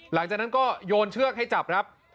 หลังจากนั้นก็โยนเชือกให้จับครับ